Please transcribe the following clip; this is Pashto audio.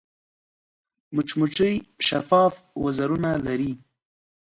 مچمچۍ شفاف وزرونه لري